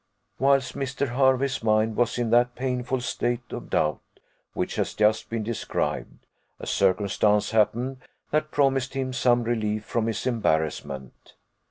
Whilst Mr. Hervey's mind was in that painful state of doubt which has just been described, a circumstance happened that promised him some relief from his embarrassment.